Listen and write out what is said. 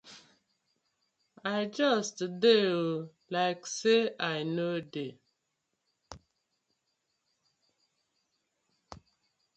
I just dey oo, like say I no dey.